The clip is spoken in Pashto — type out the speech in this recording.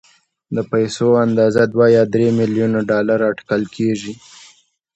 د پيسو اندازه دوه يا درې ميليونه ډالر اټکل کېږي.